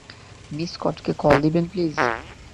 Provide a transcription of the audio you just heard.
Miss স্কটকে call দিবেন please.